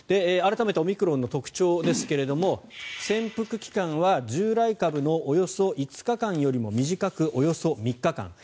改めてオミクロンの特徴ですが潜伏期間は従来株のおよそ５日間よりも短くおよそ３日間。